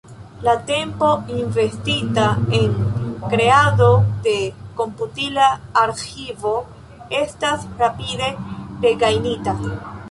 La tempo investita en kreado de komputila arĥivo estas rapide regajnita.